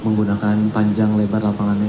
menggunakan panjang lebar lapangannya